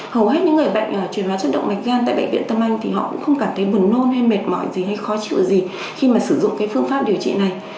hầu hết những người bệnh truyền hóa chất động mạch gan tại bệnh viện tâm anh thì họ cũng không cảm thấy buồn nôn hay mệt mỏi gì hay khó chịu gì khi mà sử dụng cái phương pháp điều trị này